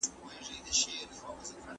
فارابي عدالت د زعامت بنسټ بولي.